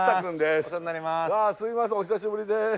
すいませんお久しぶりです。